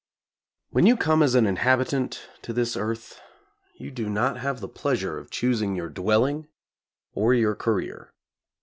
When you come as an inhabitant to this earth, you do not have the pleasure of choosing your dwelling, or your career.